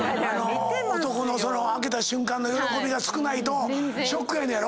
男の開けた瞬間の喜びが少ないとショックやねんやろ？